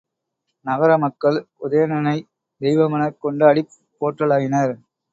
நகர மக்கள் உதயன்னனைத் தெய்வமெனக் கொண்டாடிப் போற்றலாயினர்.